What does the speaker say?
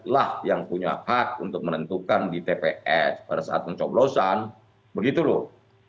rakyatlah yang punya hak untuk menentukan di tph pada saat mencoblosan begitu loh